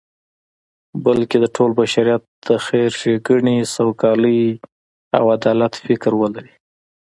بلکی د ټول بشریت د خیر، ښیګڼی، سوکالی او عدالت فکر ولری